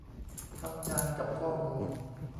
ทำงานกับข้อมูล